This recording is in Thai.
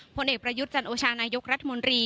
ผลเอกประยุทธ์จันโอชานายกรัฐมนตรี